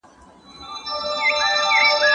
د پښتو ادبیات د ښوونځي نصاب کي شامل دي.